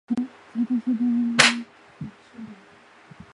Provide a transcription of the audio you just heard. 侧台塔小斜方截半二十面体欠二侧台塔。